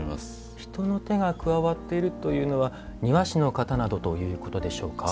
人の手が加わっているというのは庭師の方などということでしょうか？